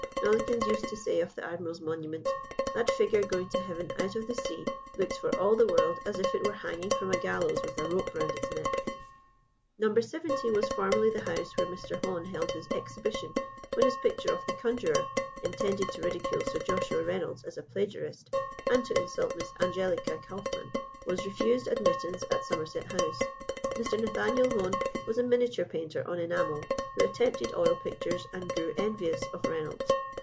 Nollekens used to say of the admiral's monument, "That figure going to heaven out of the sea looks for all the world as if it were hanging from a gallows with a rope round its neck." No. 70 was formerly the house where Mr. Hone held his exhibition when his picture of "The Conjuror," intended to ridicule Sir Joshua Reynolds as a plagiarist, and to insult Miss Angelica Kaufmann, was refused admittance at Somerset House. Mr. Nathanael Hone was a miniature painter on enamel, who attempted oil pictures and grew envious of Reynolds.